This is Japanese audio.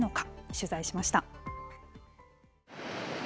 取材しました。